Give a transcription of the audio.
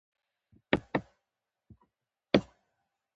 د هغه سره د انتخاب لارې نشته خو د انسان سره شته -